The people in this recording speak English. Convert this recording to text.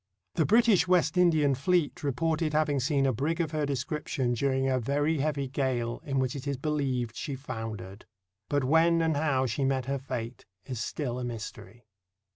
The British West Indian fleet reported having seen a brig of her description during a very heavy gale, in which it is beheved she foundered. But when and how she met her fate is still a mystery.